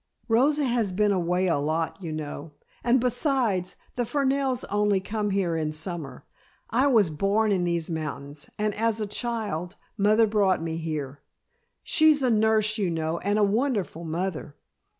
Rosa has been away a lot, you know, and besides, the Fernells only come here in summer. I was born in these mountains, and as a child mother brought me here. She's a nurse, you know, and a wonderful mother."